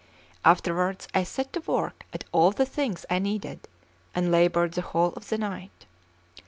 Afterwards I set to work at all the things I needed, and laboured the whole of the night.